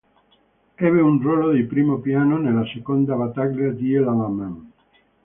Ebbe un ruolo di primo piano nella seconda battaglia di El Alamein.